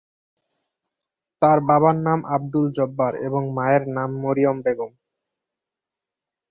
তার বাবার নাম আবদুল জব্বার এবং মায়ের নাম মরিয়ম বেগম।